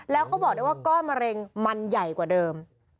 แล้วเขาบอกได้ว่าก้อนมะเร็งมันใหญ่กว่าเดิม